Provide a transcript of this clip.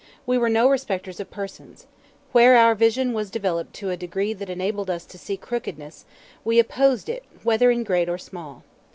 We were no respecters of persons. Where our vision was developed to a degree that enabled us to see crookedness, we opposed it whether in great or small.